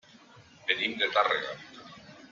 Venim de Tàrrega.